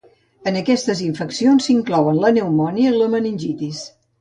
En aquestes infeccions s'inclouen la pneumònia i la meningitis.